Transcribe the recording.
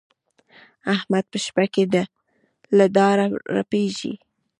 احمد په شپه کې له ډاره رپېږي.